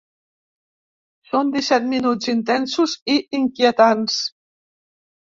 Són disset minuts intensos i inquietants.